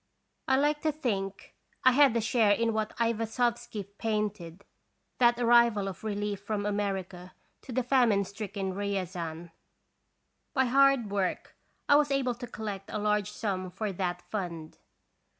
I like to think I had a share in what Aivasovky painted, that arrival of relief from America to the famine stricken Riazan. By hard work I was able to collect a large sum for that fund.